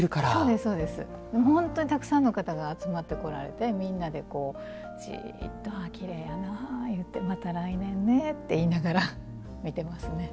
本当に、たくさんの方が集まってこられてみんなでじーっときれいやなって言いながらまた来年ねって言いながら見てますね。